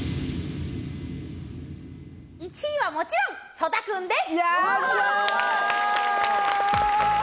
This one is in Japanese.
１位はもちろん曽田君です！